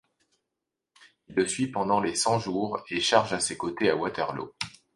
Il le suit pendant les Cent-Jours et charge à ses côtés à Waterloo.